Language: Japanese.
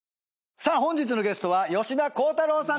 さあ本日のゲストは吉田鋼太郎さん